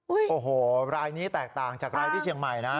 โอ้โหรายนี้แตกต่างจากรายที่เชียงใหม่นะ